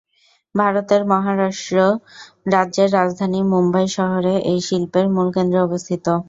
ভারতের মহারাষ্ট্র রাজ্যের রাজধানী মুম্বাই শহরে এই শিল্পের মূল কেন্দ্র অবস্থিত।